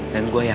dan gue gak tau